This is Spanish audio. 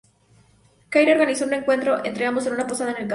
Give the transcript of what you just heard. Claire organizó un encuentro entre ambos en una posada en el campo.